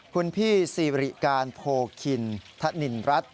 คุณพี่ซีริการโพคินธนินรัฐ